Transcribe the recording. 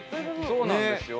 そうなんですよ